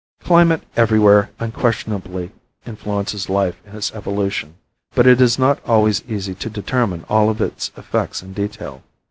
Climate everywhere unquestionably influences life in its evolution, but it is not always easy to determine all of its effects in detail.